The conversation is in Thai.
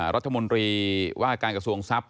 รัฐมนตรีว่าการกระทรวงทรัพย